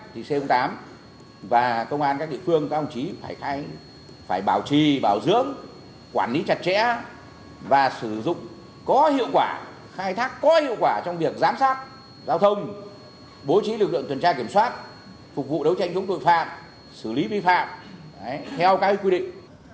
thì c tám và công an các địa phương các ông chí phải bảo trì bảo dưỡng quản lý chặt chẽ và sử dụng có hiệu quả khai thác có hiệu quả trong việc giám sát giao thông bố trí lực lượng tuần tra kiểm soát phục vụ đấu tranh chống tội phạm xử lý vi phạm theo các quy định